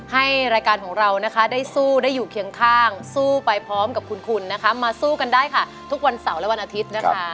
ให้รายการของเรานะคะได้สู้ได้อยู่เคียงข้างสู้ไปพร้อมกับคุณนะคะมาสู้กันได้ค่ะทุกวันเสาร์และวันอาทิตย์นะคะ